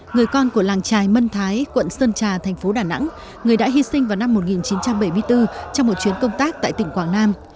người con của làng trài mân thái quận sơn trà thành phố đà nẵng người đã hy sinh vào năm một nghìn chín trăm bảy mươi bốn trong một chuyến công tác tại tỉnh quảng nam